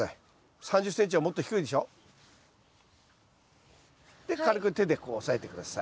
３０ｃｍはもっと低いでしょ？で軽く手でこう押さえて下さい。